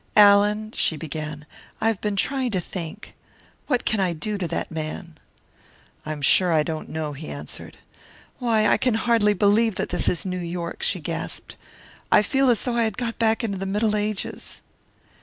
"Allan," she began, "I have been trying to think. What can I do to that man?" "I am sure I don't know," he answered. "Why, I can hardly believe that this is New York," she gasped. "I feel as though I had got back into the Middle Ages!"